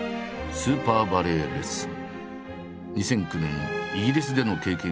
「スーパーバレエレッスン」